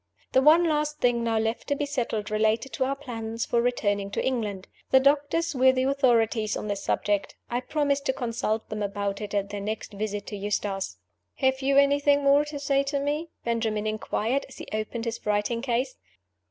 The one last thing now left to be settled related to our plans for returning to England. The doctors were the authorities on this subject. I promised to consult them about it at their next visit to Eustace. "Have you anything more to say to me?" Benjamin inquired, as he opened his writing case.